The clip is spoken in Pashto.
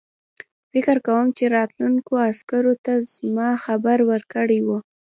فکر کوم چې راتلونکو عسکرو ته یې زما خبر ورکړی وو.